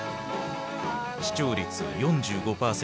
視聴率４５％。